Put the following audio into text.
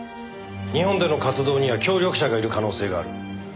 日本での活動には協力者がいる可能性がある。